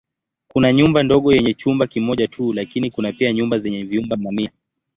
Kuna nyumba ndogo yenye chumba kimoja tu lakini kuna pia nyumba zenye vyumba mamia.